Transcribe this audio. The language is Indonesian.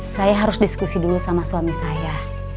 saya harus diskusi dulu sama suami saya